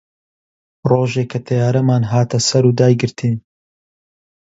ڕۆژێ کە تەیارەمان هاتە سەر و دایگرتین